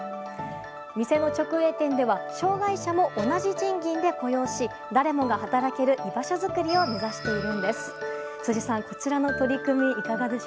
店の直営店では障害者も同じ賃金で雇用し誰もが働ける居場所づくりを目指しているんです。